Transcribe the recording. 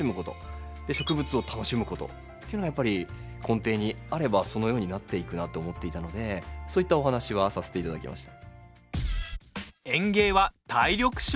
っていうのが、やっぱり根底にあればそのようになっていくなと思っていたのでそういったお話はさせていただきました。